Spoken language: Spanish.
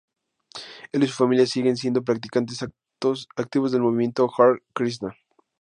Él y su familia siguen siendo practicantes activos del movimiento hare krisna.